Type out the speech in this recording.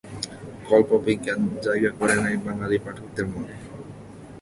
কল্পবিজ্ঞান জায়গা করে নেয় বাঙালি পাঠকদের মনে।